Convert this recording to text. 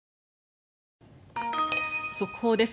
速報です。